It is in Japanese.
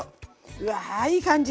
うわいい感じ。